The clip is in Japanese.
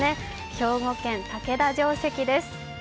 兵庫県・竹田城跡です。